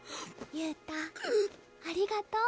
憂太ありがとう。